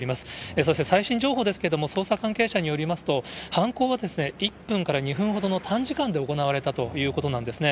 そして、最新情報ですけども、捜査関係者によりますと、犯行は１分か２分ほどの短時間で行われたということなんですね。